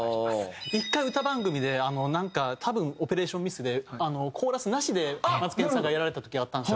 １回歌番組でなんか多分オペレーションミスでコーラスなしでマツケンさんがやられてた時があったんですよ。